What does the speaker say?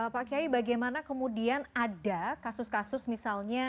pak kiai bagaimana kemudian ada kasus kasus misalnya